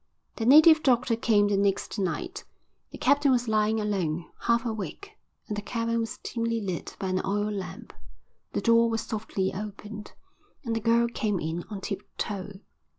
The native doctor came the next night. The captain was lying alone, half awake, and the cabin was dimly lit by an oil lamp. The door was softly opened and the girl came in on tip toe.